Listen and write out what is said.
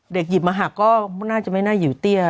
หยิบมาหักก็น่าจะไม่น่าหิวเตี้ย